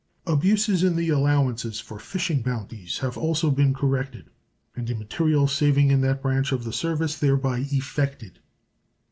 Abuses in the allowances for fishing bounties have also been corrected, and a material saving in that branch of the service thereby effected.